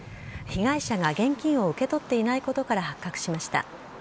被害者が現金を受け取っていないことから発覚しました。